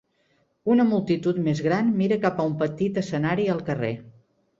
Una multitud més gran mira cap a un petit escenari al carrer.